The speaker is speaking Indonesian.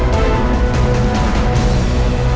gak salah lagi